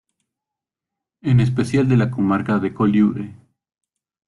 En especial de la comarca de Colliure.